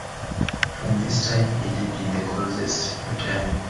From this time he lived in the closest retirement.